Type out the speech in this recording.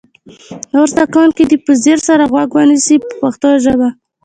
نور زده کوونکي دې په ځیر سره غوږ ونیسي په پښتو ژبه.